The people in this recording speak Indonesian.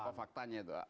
apa faktanya itu